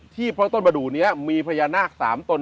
เพราะต้นประดูกนี้มีพญานาค๓ตน